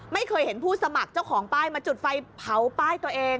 ไม่เคยเห็นผู้สมัครเจ้าของป้ายมาจุดไฟเผาป้ายตัวเอง